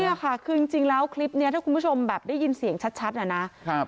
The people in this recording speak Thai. เนี่ยค่ะคือจริงแล้วคลิปนี้ถ้าคุณผู้ชมแบบได้ยินเสียงชัดอ่ะนะครับ